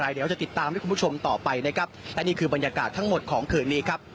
เดี๋ยวจะติดตามให้คุณผู้ชมต่อไปนะครับและนี่คือบรรยากาศทั้งหมดของคืนนี้ครับ